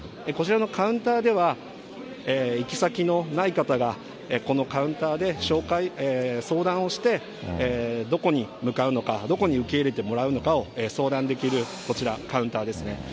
こちらのカウンターでは、行き先のない方が、このカウンターで紹介、相談をして、どこに向かうのか、どこに受け入れてもらうのかを相談できるこちら、カウンターです。